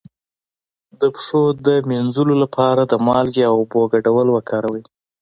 د پښو د مینځلو لپاره د مالګې او اوبو ګډول وکاروئ